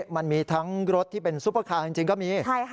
มันมีทั้งรถที่เป็นซุปเปอร์คาร์จริงก็มี